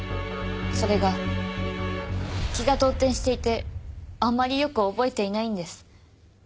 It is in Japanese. それが気が動転していてあんまりよく覚えていないんです。